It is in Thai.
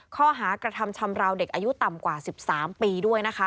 ข้อหากระทำชำราวเด็กอายุต่ำกว่า๑๓ปีด้วยนะคะ